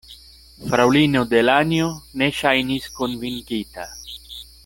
Fraŭlino Delanjo ne ŝajnis konvinkita.